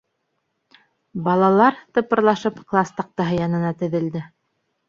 Балалар, тыпырлашып, класс таҡтаһы янына теҙелде.